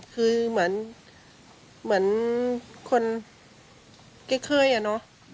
คือเหมือนคนเครื่อยอะเนอะ